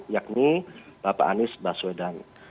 yakni bapak anies baswedan